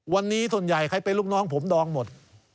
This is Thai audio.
วันนี้ส่วนใหญ่ใครเป็นลูกน้องผมดองหมด